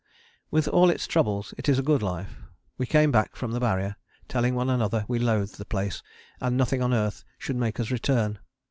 With all its troubles it is a good life. We came back from the Barrier, telling one another we loathed the place and nothing on earth should make us return.